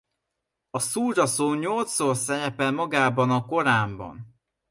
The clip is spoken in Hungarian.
A szúra szó nyolcszor szerepel magában a Koránban.